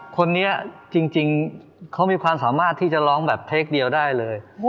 คนนี้จริงเขามีความสามารถที่จะร้องแบบเทคเดียวได้เลย